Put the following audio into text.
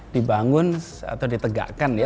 dibangun atau ditegakkan ya